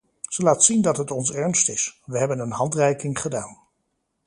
Ze laat zien dat het ons ernst is, we hebben een handreiking gedaan.